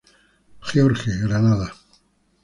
George, Granada.